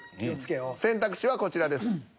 選択肢はこちらです。